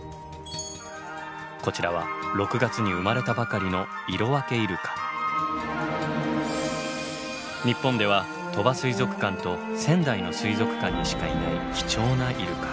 こちらは６月に生まれたばかりの日本では鳥羽水族館と仙台の水族館にしかいない貴重なイルカ。